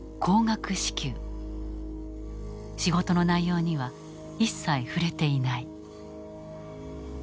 仕事の内容には一切触れていない。